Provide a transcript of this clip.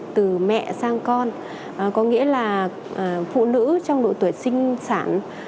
từ mẹ sang con có nghĩa là phụ nữ trong độ tuổi sinh sản